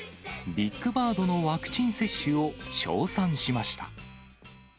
ビッグバードのワクチン接種を称賛しました。